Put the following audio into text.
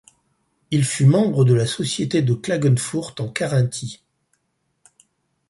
Il fut membre de la Société de Klagenfurt en Carinthie.